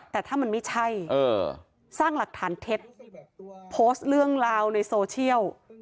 แต่ถ้ามันไม่ใช่สร้างหลักฐานเท็จโพสต์เรื่องราวในโซเชียล